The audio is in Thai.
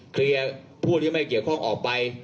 ผู้ที่ไม่เกี่ยวข้องออกไป